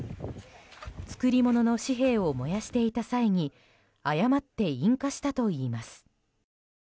作り物の紙幣を燃やしていた際に誤って引火したといいます。